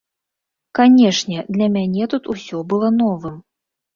Канечне, для мяне тут усё было новым.